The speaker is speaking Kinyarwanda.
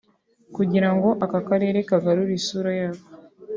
kugira ngo aka Karere kagarure isura yako